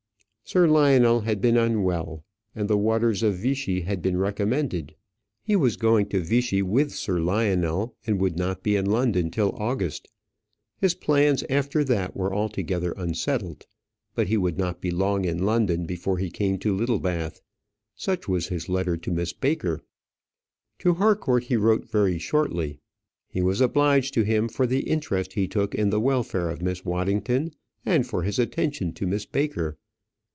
Sir Lionel had been unwell, and the waters of Vichy had been recommended. He was going to Vichy with Sir Lionel, and would not be in London till August. His plans after that were altogether unsettled, but he would not be long in London before he came to Littlebath. Such was his letter to Miss Baker. To Harcourt he wrote very shortly. He was obliged to him for the interest he took in the welfare of Miss Waddington, and for his attention to Miss Baker.